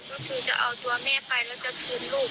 ก็คือจะเอาตัวแม่ไปแล้วจะคืนลูก